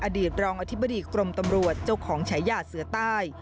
อดีตรองอธิบดีกรมตำรวจเจ้าของฉายาเสือใต้